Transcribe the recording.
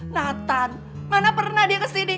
nathan mana pernah dia kesini